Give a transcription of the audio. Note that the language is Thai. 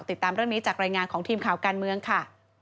ติดตามเรื่องนี้จากรายงานของทีมข่าวการเมืองค่ะ